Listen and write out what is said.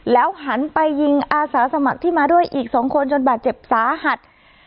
หันไปยิงอาสาสมัครที่มาด้วยอีก๒คนจนบาดเจ็บสาหัส